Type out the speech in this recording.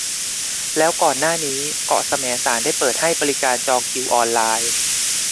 แล้วก่อนหน้านี้เกาะแสมสารได้เปิดให้บริการจองคิวออนไลน์